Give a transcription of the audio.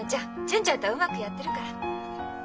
純ちゃんとはうまくやってるから。